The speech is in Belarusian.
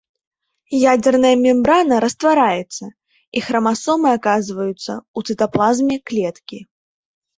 Ядзерная мембрана раствараецца, і храмасомы аказваюцца ў цытаплазме клеткі.